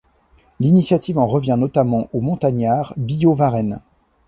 L'initiative en revient notamment au Montagnard Billaud-Varenne.